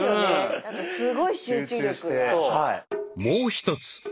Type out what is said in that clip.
もう一つ